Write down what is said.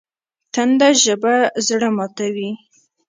تنده ژبه زړه ماتوي